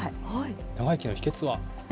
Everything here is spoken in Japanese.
長生きの秘けつは？